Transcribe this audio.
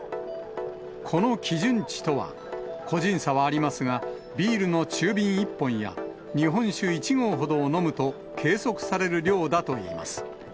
この基準値とは、個人差はありますが、ビールの中瓶１本や日本酒１合ほどを飲むと計測される量だといいます。